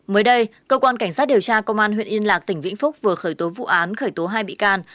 mới đây cơ quan cảnh sát điều tra công an huyện yên lạc tỉnh vĩnh phúc vừa khởi tố vụ án khởi tố hai bị can